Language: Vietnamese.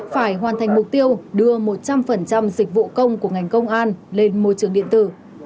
phải hoàn thành mục tiêu đưa một trăm linh dịch vụ công của ngành công an lên môi trường điện tử